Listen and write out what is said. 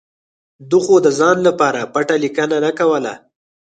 ده خو د ځان لپاره پټه لیکنه نه کوله.